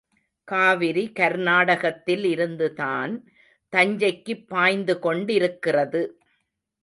காவிரி கர்நாடகத்தில் இருந்துதான் தஞ்சைக்குப் பாய்ந்து கொண்டிருக்கிறது.